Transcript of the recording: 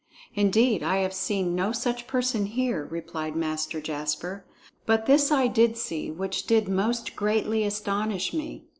"Indeed, I have seen no such person here," replied Master Jasper, "but this I did see, which did most greatly astonish me.